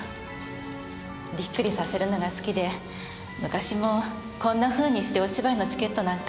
びっくりさせるのが好きで昔もこんな風にしてお芝居のチケットなんか。